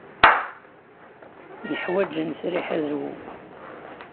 Neḥwaj ad nesriḥ azwu.